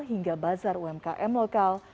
hingga bazar umkm lokal